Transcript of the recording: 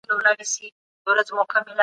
تاسو د خپل هيواد د سياست په اړه څه فکر کوئ؟